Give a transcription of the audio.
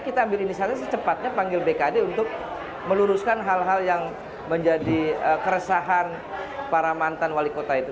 kita ambil inisiatif secepatnya panggil bkd untuk meluruskan hal hal yang menjadi keresahan para mantan wali kota itu